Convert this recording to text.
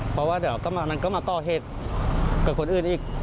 เพราะว่าเดี๋ยวมันก็มาก่อเหตุกับคนอื่นอีก